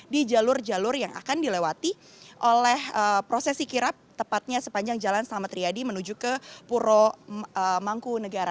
di jalur jalur yang akan dilewati oleh prosesi kirap tepatnya sepanjang jalan selamat riyadi menuju ke puro mangku negara